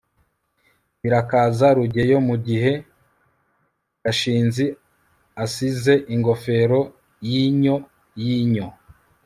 birakaza rugeyo mugihe gashinzi asize ingofero yinyo yinyo